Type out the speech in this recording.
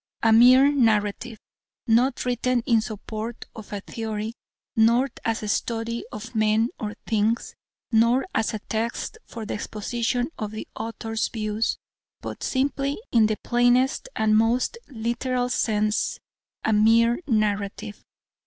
A mere narrative, not written in support of a theory, nor as a study of men or things, nor as a text for the exposition of the author's views, but simply in the plainest and most literal sense a mere narrative.